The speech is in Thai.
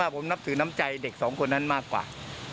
ผมนับถือน้ำใจเด็กสองคนนั้นมากกว่า